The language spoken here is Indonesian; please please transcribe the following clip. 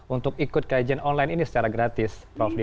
untuk ikut kajian online ini secara gratis prof di